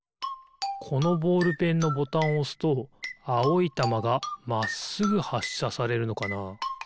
このボールペンのボタンをおすとあおいたまがまっすぐはっしゃされるのかな？